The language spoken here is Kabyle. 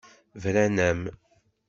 Bran-am.